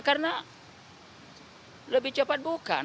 karena lebih cepat bukan